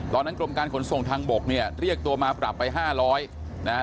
ตอนนั้นกรมการขนส่งทางบกเนี่ยเรียกตัวมาปรับไปห้าร้อยนะฮะ